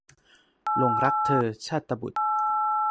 หลงรักเธอ - ชาตบุษย์